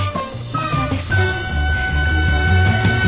こちらです。